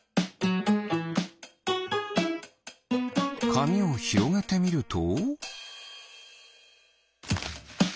かみをひろげてみると？